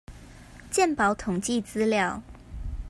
健保統計資料